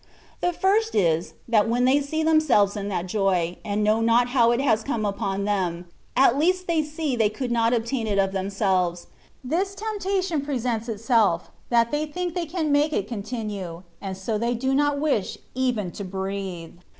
The first is, that when they see themselves in that joy, and know not how it has come upon them (at least they see they could not obtain it of themselves), this temptation presents itself, that they think they can make it continue, and so they do not wish even to breathe.